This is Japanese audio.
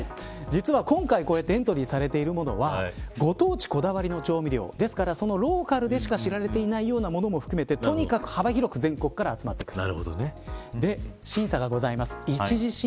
実は今回エントリされているものはご当地こだわりの調味料ですから、ローカルでしか知られていないようなものも含めてとにかく幅広く全国から集まってくる。